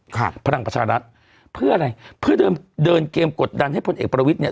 พลังประชารัฐเพื่ออะไรเพื่อเดินเดินเกมกดดันให้พลเอกประวิทย์เนี่ย